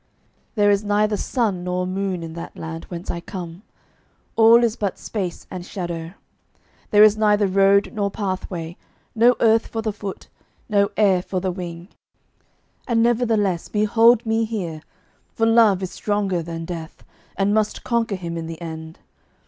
There is neither sun nor moon in that land whence I come: all is but space and shadow; there is neither road nor pathway: no earth for the foot, no air for the wing; and nevertheless behold me here, for Love is stronger than Death and must conquer him in the end.